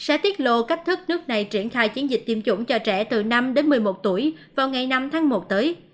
bộ trưởng y tế marco uyroga sẽ tiết lộ cách thức nước này triển khai chiến dịch tiêm chủng cho trẻ từ năm một mươi một tuổi vào ngày năm tháng một tới